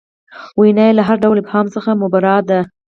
وینا یې له هر ډول ابهام څخه مبرا ده.